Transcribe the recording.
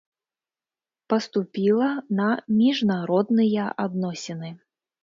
Паступіла на міжнародныя адносіны.